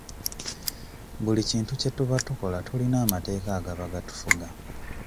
Buli kintu kye tuba tukola tulina amateeka agaba gatufuga.